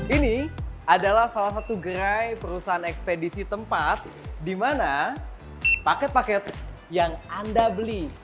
ini adalah salah satu gerai perusahaan ekspedisi tempat di mana paket paket yang anda beli